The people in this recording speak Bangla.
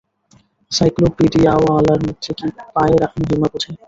সাইক্লোপীডিয়াওয়ালার সাধ্য কী পায়ের মহিমা বোঝে।